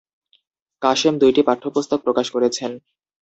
কাসেম দুইটি পাঠ্যপুস্তক প্রকাশ করেছেন।